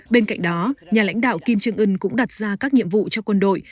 bên cạnh đó nhà lãnh đạo kim jong un cũng đặt ra các nhiệm vụ cho quân đội